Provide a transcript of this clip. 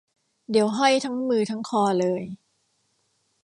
เดี๋ยวห้อยทั้งมือทั้งคอเลย